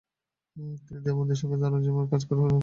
তিনি দেওবন্দির সঙ্গে তারাজিমের কাজ করে যাওয়ার সিদ্ধান্ত নেন।